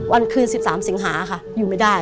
วันคืน๑๓สิงหาค่ะอยู่ไม่ได้